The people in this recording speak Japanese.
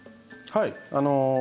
はい。